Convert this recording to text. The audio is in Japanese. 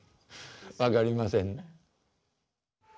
分かりません。